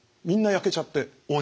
みんな焼けちゃって。